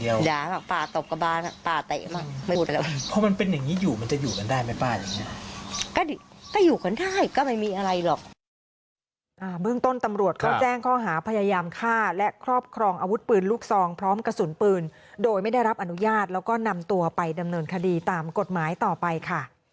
อยู่กันได้ก็ไม่มีอะไรหรอก